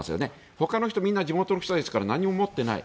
ほかの人、みんな地元の人たちは何も持っていない。